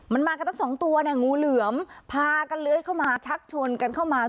มันมากันตั้งสองตัวเนี่ยงูเหลือมพากันเลื้อยเข้ามาชักชวนกันเข้ามา